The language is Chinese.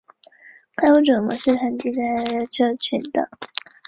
附近有里扬机场。